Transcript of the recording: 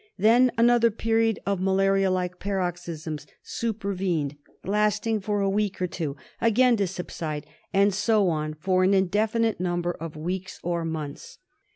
'\ Then another period of malaria like paroxysms super \ vened, lasted for a week or two, again to subside ; and so ^ on for an indefinite number of weeks or months.